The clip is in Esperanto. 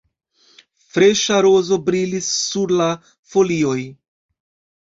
Freŝa roso brilis sur la folioj.